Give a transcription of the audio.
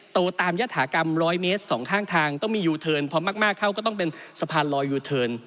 โตตามยฐากรรม๑๐๐เมตรสองข้างทางต้องมียูเทิร์นพอมากเข้าก็ต้องเป็นสะพานลอยยูเทิร์น